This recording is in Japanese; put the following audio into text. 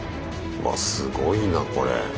うわすごいなこれ。